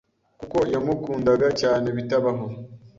kuko yamukundaga cyane bitabaho